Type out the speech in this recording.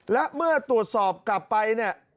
และเมื่อตรวจสอบกลับไปเนี่ย